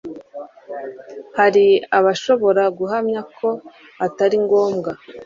hari abashobora guhamya ko atari ngombwa